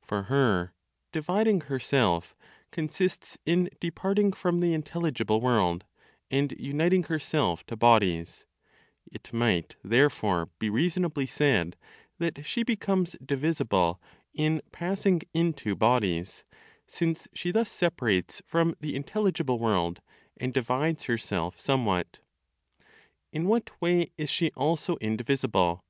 For her "dividing herself" consists in departing from the intelligible world, and uniting herself to bodies; it might therefore be reasonably said that she becomes divisible in passing into bodies, since she thus separates from the intelligible world, and divides herself somewhat. In what way is she also indivisible?